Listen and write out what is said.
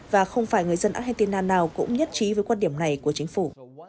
và không phải người dân argentina nào cũng nhất trí với quan điểm này của chính phủ